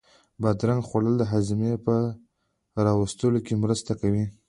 بادرنگ خوړل د هاضمې په را وستلو کې مرسته کوي.